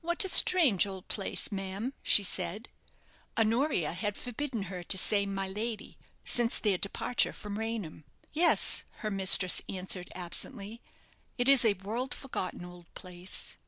"What a strange old place, ma'am," she said. Honoria had forbidden her to say "my lady" since their departure from Raynham. "Yes," her mistress answered, absently; "it is a world forgotten old place."